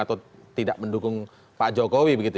atau tidak mendukung pak jokowi begitu